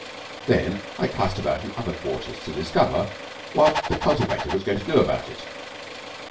Then I cast about in other quarters to discover what the cultivator was going to do about it.